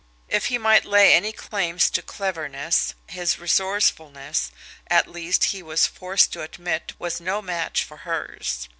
If he might lay any claims to cleverness, his resourcefulness, at least, he was forced to admit, was no match for hers.